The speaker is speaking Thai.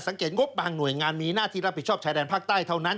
สังเกตงบบางหน่วยงานมีหน้าที่รับผิดชอบชายแดนภาคใต้เท่านั้น